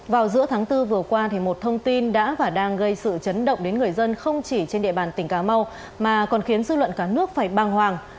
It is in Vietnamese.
vào giữa tháng bốn vừa qua một thông tin đã và đang gây sự chấn động đến người dân không chỉ trên địa bàn tỉnh cà mau mà còn khiến dư luận cả nước phải băng hoàng